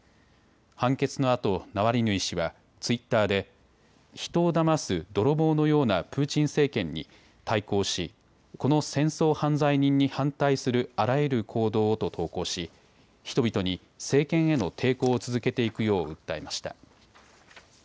判決のあとナワリヌイ氏は、ツイッターで人をだます泥棒のようなプーチン政権に対抗しこの戦争犯罪人に反対するあらゆる行動をと投稿し、人々に政権への抵抗を続けていくよう訴えました。